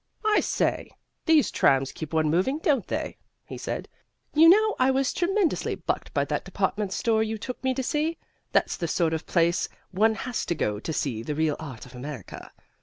"I say, these trams keep one moving, don't they?" he said. "You know, I was tremendously bucked by that department store you took me to see. That's the sort of place one has to go to see the real art of America.